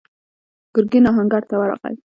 ګرګين آهنګر ته ورغی.